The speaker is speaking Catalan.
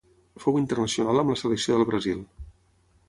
Fou internacional amb la selecció del Brasil.